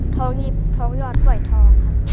ทองหยิบทองหยอดถ่วยทองค่ะ